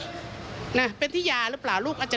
โยต้องกล้าภาษณ์อยากให้คุณผู้ชมได้ฟัง